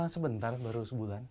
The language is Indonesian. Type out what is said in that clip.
sebentar baru sebulan